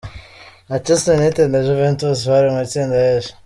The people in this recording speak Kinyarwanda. Manchester United na Juventus bari mu itsinda H.